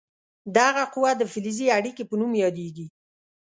دغه قوه د فلزي اړیکې په نوم یادیږي.